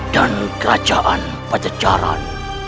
dan kerajaan pajajaran